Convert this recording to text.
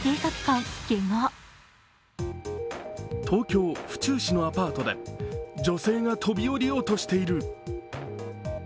東京・府中市のアパートで女性が飛び降りようとしている。